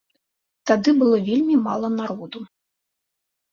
Тады было вельмі мала народу.